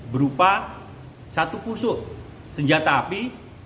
berupa satu pusuk senjata api